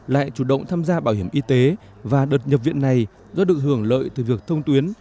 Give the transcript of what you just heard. lại chủ động tham gia bảo hiểm y tế và đợt nhập viện này do được hưởng lợi từ việc thông tuyến